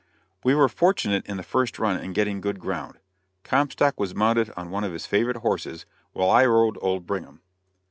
We were fortunate in the first run in getting good ground. Comstock was mounted on one of his favorite horses, while I rode old Brigham.